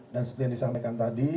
dan seperti yang disampaikan tadi